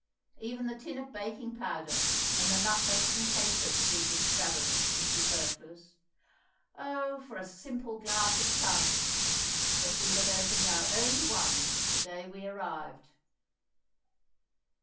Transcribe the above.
Even the tin of baking powder and the nutmegs and capers seemed extravagant and superfluous. Oh, for a simple glass of tongue—but we had opened our only one the day we arrived!